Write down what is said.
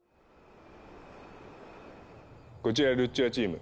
こちらルッチョラチーム。